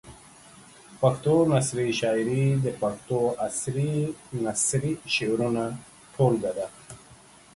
پښتو نثري شاعري د پښتو عصري نثري شعرونو ټولګه ده.